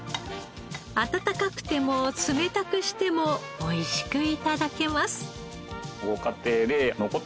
温かくても冷たくしてもおいしく頂けます。